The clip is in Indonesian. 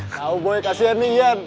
tau boy kasihan nih ian